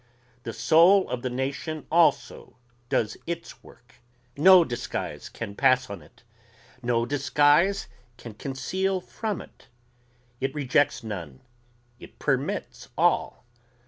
The soul of the nation also does its work. No disguise can pass on it ... no disguise can conceal from it. It rejects none, it permits all.